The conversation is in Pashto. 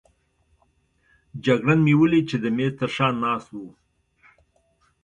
جګړن مې ولید چې د مېز تر شا ناست وو.